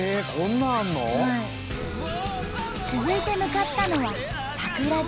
続いて向かったのは桜島。